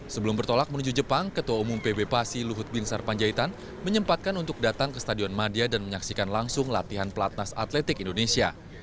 sebelum bertolak menuju jepang ketua umum pb pasi luhut bin sarpanjaitan menyempatkan untuk datang ke stadion madia dan menyaksikan langsung latihan pelatnas atletik indonesia